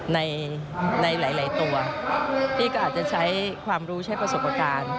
ในหลายตัวพี่ก็อาจจะใช้ความรู้ใช้ประสบการณ์